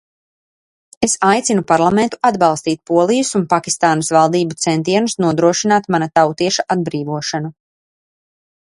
Es aicinu Parlamentu atbalstīt Polijas un Pakistānas valdību centienus nodrošināt mana tautieša atbrīvošanu.